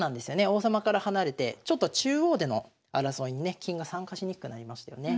王様から離れてちょっと中央での争いにね金が参加しにくくなりましたよね。